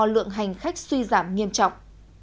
lượng hành khách suy giảm nghiêm trọng